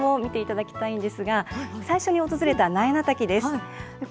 そしてこちらも見ていただきたいんですが、最初に訪れた苗名滝です。